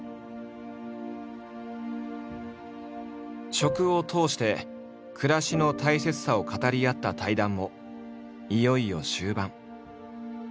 食を通して暮らしの大切さを語り合った対談もいよいよ終盤。